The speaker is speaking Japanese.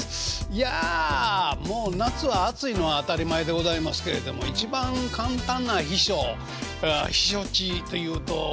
いやもう夏は暑いのは当たり前でございますけれども一番簡単な避暑避暑地というと図書館とか映画館ですよね。